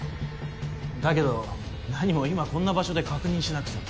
だけど何も今こんな場所で確認しなくても。